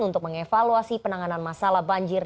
untuk mengevaluasi penanganan masalah banjir